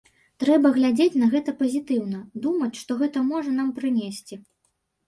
Трэба глядзець на гэта пазітыўна, думаць, што гэта можа нам прынесці.